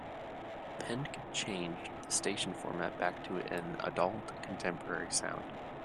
Penk changed the station format back to an Adult Contemporary sound.